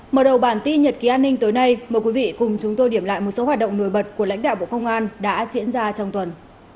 mở đầu bản tin nhật ký an ninh tối nay mời quý vị cùng chúng tôi điểm lại một số hoạt động nổi bật của lãnh đạo bộ công an đã diễn ra trong tuần